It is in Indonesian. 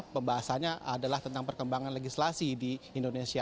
pembahasannya adalah tentang perkembangan legislasi di indonesia